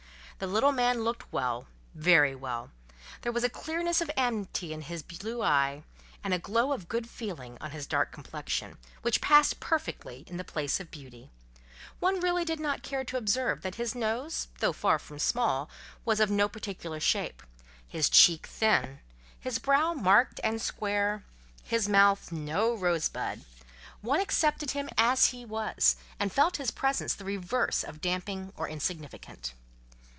The little man looked well, very well; there was a clearness of amity in his blue eye, and a glow of good feeling on his dark complexion, which passed perfectly in the place of beauty: one really did not care to observe that his nose, though far from small, was of no particular shape, his cheek thin, his brow marked and square, his mouth no rose bud: one accepted him as he was, and felt his presence the reverse of damping or insignificant.